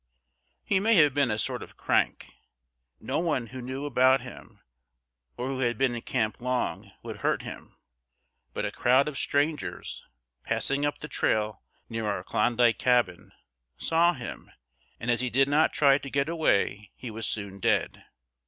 He may have been a sort of crank. No one who knew about him, or who had been in camp long, would hurt him; but a crowd of strangers, passing up the trail near our Klondike cabin, saw him, and as he did not try to get away he was soon dead.